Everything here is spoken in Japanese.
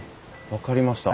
分かりました。